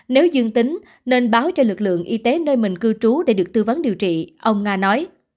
nếu dương tính nên báo cho lực lượng y tế nơi mình cư trú để được tư vấn điều trị ông nga nói